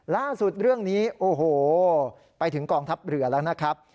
ล่าสุดเรื่องนี้โอ้โหไปถึงกองทัพเรือแล้วนะครับ